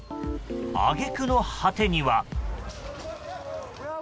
揚げ句の果てには。